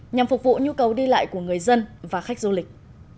nhằm phục vụ nhu cầu đi lại của người dân và khách du lịch